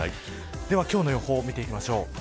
では今日の予報を見ていきます。